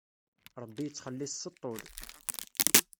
Ṛebbi ittxelliṣ s ṭṭul.